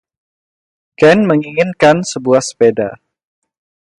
Ken menginginkan sebuah sepeda.